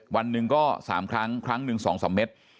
วันหนึ่งก็๓ครั้งครั้งหนึ่ง๒๓เมตร